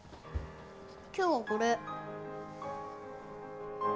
今日はこれ。